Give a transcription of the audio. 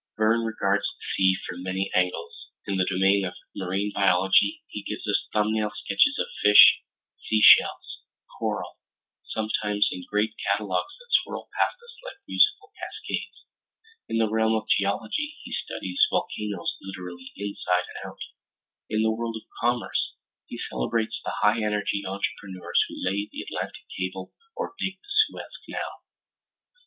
Verne regards the sea from many angles: in the domain of marine biology, he gives us thumbnail sketches of fish, seashells, coral, sometimes in great catalogs that swirl past like musical cascades; in the realm of geology, he studies volcanoes literally inside and out; in the world of commerce, he celebrates the high energy entrepreneurs who lay the Atlantic Cable or dig the Suez Canal.